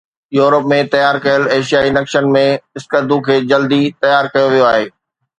Europe ۾ تيار ڪيل ايشيائي نقشن ۾ اسڪردو کي جلدي تيار ڪيو ويو